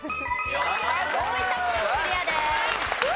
大分県クリアです。